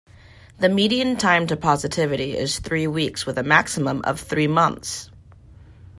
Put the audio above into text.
The median time to positivity is three weeks with a maximum of three months.